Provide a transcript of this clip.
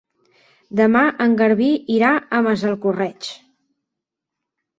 Demà en Garbí irà a Massalcoreig.